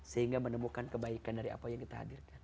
sehingga menemukan kebaikan dari apa yang kita hadirkan